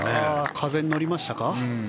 風に乗りましたか。